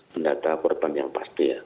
mendata korban yang pasti ya